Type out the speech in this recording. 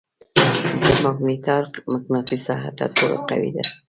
د ماګنیټار مقناطیسي ساحه تر ټولو قوي ده.